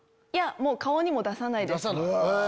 いや顔にも出さないです。